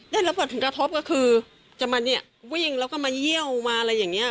ได้รับผลกระทบก็คือจะมาเนี่ยวิ่งแล้วก็มาเยี่ยวมาอะไรอย่างนี้